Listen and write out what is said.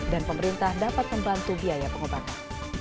dan pemerintah dapat membantu biaya pengobatan